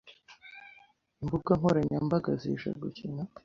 imbuga nkoranyambaga zije gukina